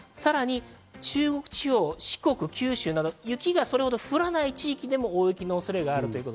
中国地方、四国、九州など雪がそれほど降らない地域でも、大雪の恐れがあるということ。